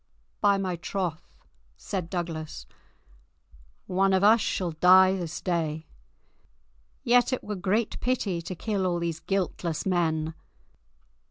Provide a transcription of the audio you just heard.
"By my troth," said Douglas, "one of us shall die this day. Yet it were great pity to kill all these guiltless men.